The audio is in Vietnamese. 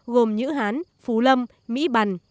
gồm nhữ hán phú lâm mỹ bằn